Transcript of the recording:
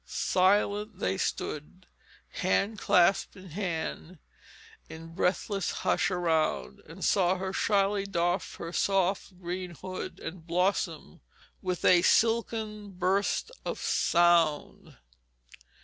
Silent they stood, Hand clasped in hand, in breathless hush around, And saw her shyly doff her soft green hood And blossom with a silken burst of sound!"